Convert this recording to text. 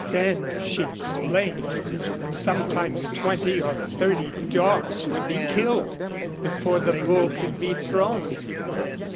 Then she explained that sometimes twenty or thirty dogs would be killed before the bull could be thrown.